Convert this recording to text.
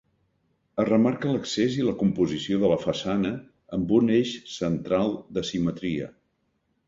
Es remarca l'accés i la composició de la façana amb un eix central de simetria.